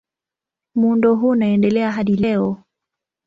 Muundo huu unaendelea hadi leo.